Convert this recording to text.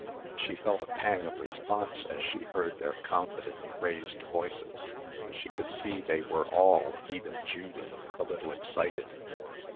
She felt a pang of response as she heard their confidently raised voices. She could see they were all, even Judy, a little excited.